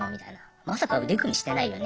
まさか腕組みしてないよね？